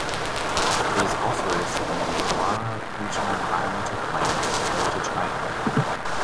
It is also listed in the Illawarra Regional Environmental Plan as a heritage item.